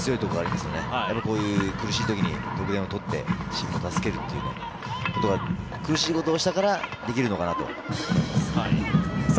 こういう苦しいときに得点をとってチームを助けるということが苦しいことをしたからできるのかなと思います。